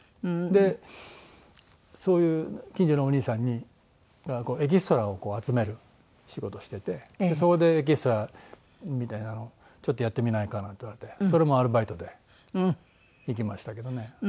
でそういう近所のお兄さんにエキストラを集める仕事しててそこで「エキストラみたいなのをちょっとやってみないか」なんて言われてそれもアルバイトで行きましたけどね。